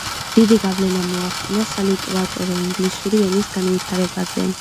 დიდი გავლენა მოახდინა სალიტერატურო ინგლისური ენის განვითარებაზე.